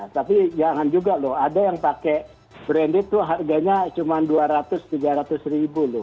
tapi jangan juga loh ada yang pakai branded tuh harganya cuma dua ratus tiga ratus ribu loh